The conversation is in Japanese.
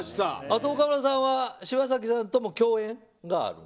あと岡村さんは柴咲さんと共演がある。